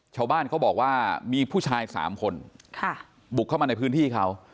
ชาวบ้านเขาบอกว่ามีผู้ชาย๓คนบุกเข้ามาในพื้นที่เขา